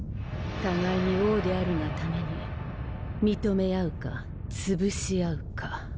互いに王であるがために認め合うかつぶし合うか。